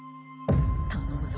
頼むぞ。